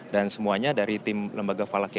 dan semuanya dari tim lembaga falakiyah